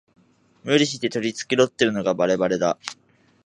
無理して取り繕ってるのがバレバレだ